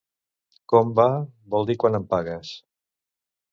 Com va, vol dir quan em pagues.